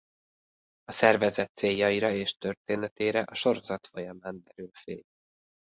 A szervezet céljaira és történetére a sorozat folyamán derül fény.